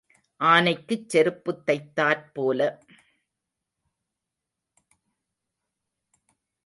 ஆனைக்குச் செருப்புத் தைத்தாற்போல.